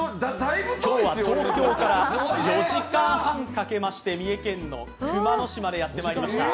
今日は東京から４時間半かけまして三重県熊野市にやって来ました。